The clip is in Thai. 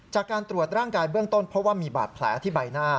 จากการตรวจร่างกายเบื้องต้นเพราะว่ามีบาดแผลที่ใบหน้า